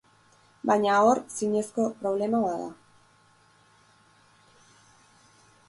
Baina hor, zinezko problema bada.